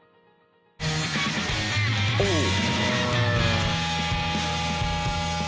「おっ！」